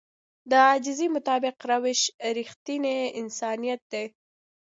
د عاجزي مطابق روش رښتينی انسانيت دی.